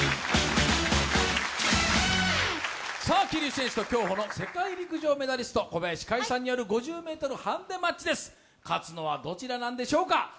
桐生選手と競歩の世界陸上メダリスト、小林快さんとの５０ｍハンデマッチです、勝つのはどちらなんでしょうか。